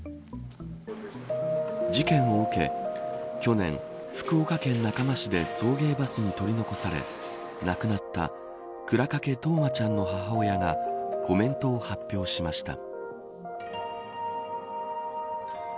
事件を受け、去年福岡県中間市で送迎バスに取り残され亡くなった倉掛冬生ちゃんの母親がコメントを発表しました。